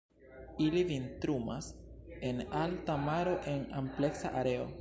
Ili vintrumas en alta maro en ampleksa areo.